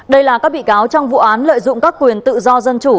đây là các bị cáo trong vụ án lợi dụng các quyền tự do dân chủ